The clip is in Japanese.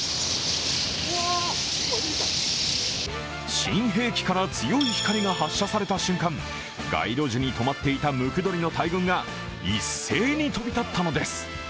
新兵器から強い光が発射された瞬間街路樹にとまっていたムクドリの大群が一斉に飛び立ったのです。